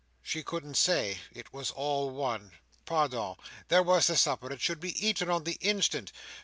"She couldn't say. It was all one." "Pardon! There was the supper! It should be eaten on the instant.